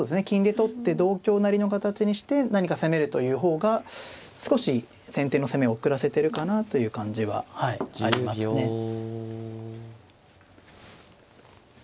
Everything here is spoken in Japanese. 金で取って同香成の形にして何か攻めるという方が少し先手の攻めを遅らせてるかなという感じはありますね。